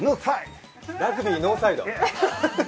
ラグビー、ノーサイド。